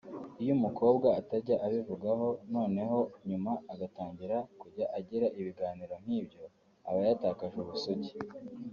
Iyo umukobwa atajyaga abivugaho noneho nyuma agatangira kujya agira ibiganiro nk’ibyo aba yatakaje ubusugi